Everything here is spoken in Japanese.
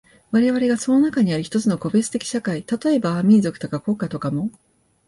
我々がその中にある一つの個別的社会、例えば民族とか国家とかも、